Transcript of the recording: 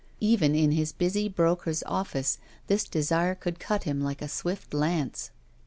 Even in his busy broker's office, this dksire could cut him like a swift lance.